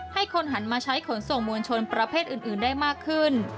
ให้คนหันมาใช้ขนส่งมวลชนประเภทอื่นได้มากขึ้น